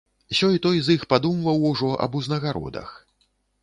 Сёй-той з іх падумваў ужо аб узнагародах.